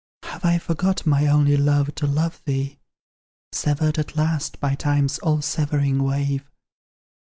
Have I forgot, my only Love, to love thee, Severed at last by Time's all severing wave?